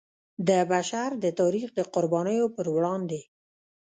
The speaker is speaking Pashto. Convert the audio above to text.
د بشر د تاریخ د قربانیو پر وړاندې.